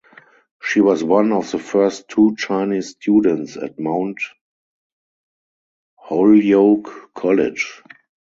She was one of the first two Chinese students at Mount Holyoke College.